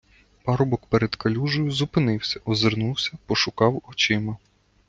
Парубок перед калюжею зупинився, озирнувся, пошукав очима.